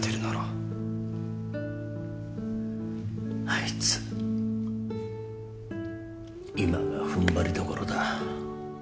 あいつ今が踏ん張りどころだ。